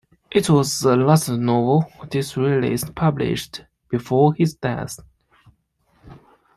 It was the last novel Disraeli published before his death.